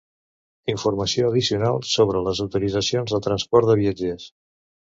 Informació addicional sobre les autoritzacions de transport de viatgers.